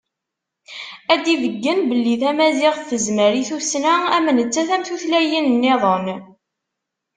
Ad d-ibeggen belli tamaziɣt tezmer i tussna am nettat am tutlayin-nniḍen.